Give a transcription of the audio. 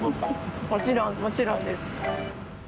もちろんもちろんです。